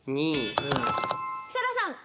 設楽さん。